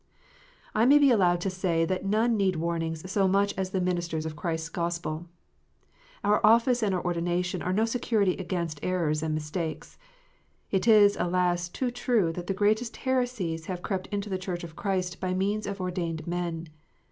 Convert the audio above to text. I may be allowed to say that none need warnings so much as the ministers of Christ s Gospel. Our office and our ordination are no security against errors and mistakes. It is, alas, too true, that the greatest heresies have crept into the Church of Christ by means of ordained men.